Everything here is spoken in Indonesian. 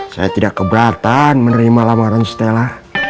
saya tidak keberatan menerima lamaran stella